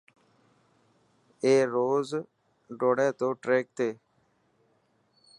اي روز ڊوڙي تو ٽريڪ تي .